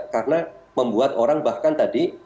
karena membuat orang bahkan tadi